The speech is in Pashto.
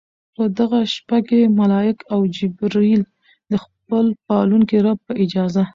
په دغه شپه کې ملائک او جبريل د خپل پالونکي رب په اجازه